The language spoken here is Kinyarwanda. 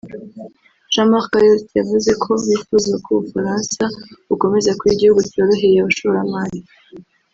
Jean-Marc Ayrault yavuze ko bifuza ko u Bufaransa bukomeza kuba igihugu cyoroheye abashoramari